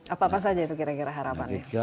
apa apa saja itu kira kira harapannya